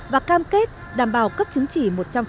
và cam kết đảm bảo cấp chứng chỉ một trăm linh